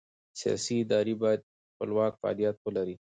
سیاسي ادارې باید خپلواک فعالیت ولري